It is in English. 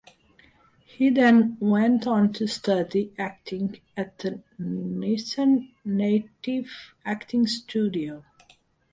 He then went on to study acting at the Nissan Nativ Acting Studio.